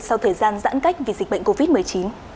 sau thời gian giãn cách vì dịch bệnh covid một mươi chín